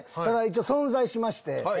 一応存在しまして。